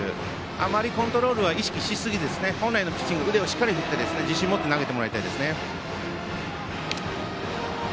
あまりコントロールは意識しすぎず本来のピッチング腕をしっかり振って自信を持って投げてもらいたいですね。